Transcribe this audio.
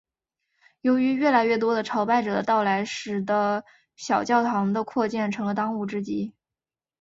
由于越来越多的朝拜者的到来使的小教堂的扩建成了当务之急。